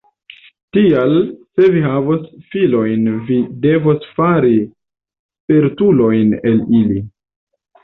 Tial, se vi havos filojn vi devos fari spertulojn el ili.